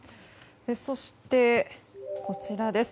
そして、こちらです。